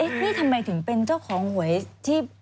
นี่ทำไมถึงเป็นเจ้าของหวยที่